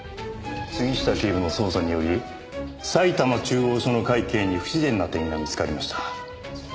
杉下警部の捜査により埼玉中央署の会計に不自然な点が見つかりました。